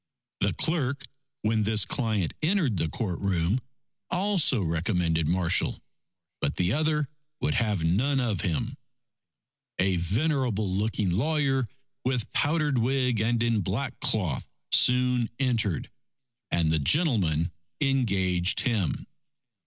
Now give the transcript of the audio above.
The clerk, when this client entered the courtroom, also recommended Marshall, but the other would have none of him. A venerable looking lawyer, with powdered wig and in black cloth, soon entered, and the gentleman engaged him.